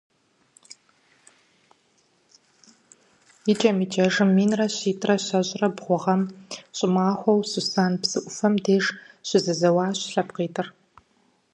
Икӏэм-икӏэжым минрэ щитӏрэ щэщӏрэ бгъу гъэм, щӏымахуэу, Сусан псы ӏуфэм деж щызэзэуащ лъэпкъитӏыр.